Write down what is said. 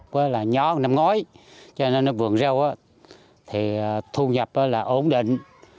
với nhóm năm ngói cho nên vườn rau thì thu nhập là ổn định